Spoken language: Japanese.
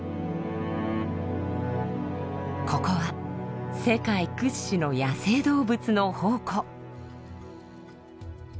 ここは世界屈指の野生動物の宝庫。